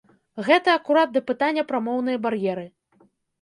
Гэта акурат да пытання пра моўныя бар'еры.